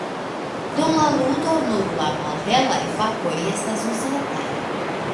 Dum la ludo nur la malhelaj fakoj estas uzataj.